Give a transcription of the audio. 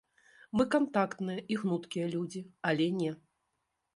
Мы кантактныя і гнуткія людзі, але не!